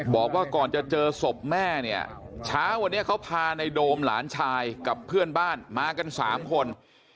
บอกว่าก่อนจะเจอศพแม่เนี่ยเช้าวันนี้เขาพาในโดมหลานชายกับเพื่อนบ้านมากัน๓คน